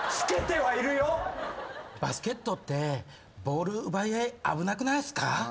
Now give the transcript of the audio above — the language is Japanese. バスケットってボール奪い合い危なくないですか？